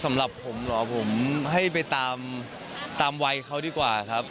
สำหรับผมเหรอผมให้ไปตามวัยเขาดีกว่าครับ